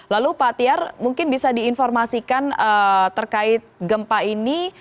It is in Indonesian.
lalu pak tiar mungkin bisa diinformasikan terkait gempa ini